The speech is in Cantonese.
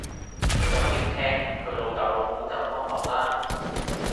佢咁標青，佢老豆老母就安樂啦